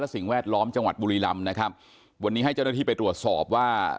สิ่งแวดล้อมจังหวัดบุรีรำนะครับวันนี้ให้เจ้าหน้าที่ไปตรวจสอบว่า